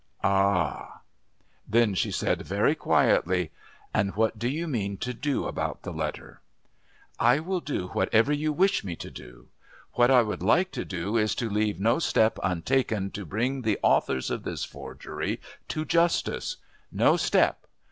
"Ah!" Then she said very quietly: "And what do you mean to do about the letter?" "I will do whatever you wish me to do. What I would like to do is to leave no step untaken to bring the authors of this forgery to justice. No step.